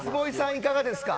いかがですか。